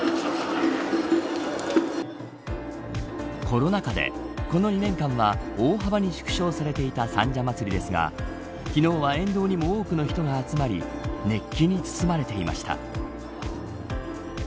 コロナ禍で、この２年間は大幅に縮小されていた三社祭ですが昨日は沿道にも多くの人が集まり熱気に包まれていました。